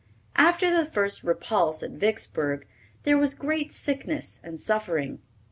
After the first repulse at Vicksburg, there was great sickness and suffering.